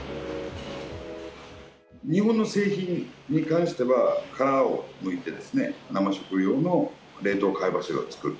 日本の製品に関しては、殻をむいて、生食用の冷凍貝柱を作る。